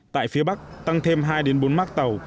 tại phía bắc tăng thêm hai bốn mác tàu